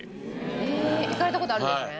え行かれた事あるんですね。